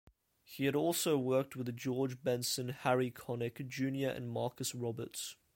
He has also worked with George Benson, Harry Connick, Junior and Marcus Roberts.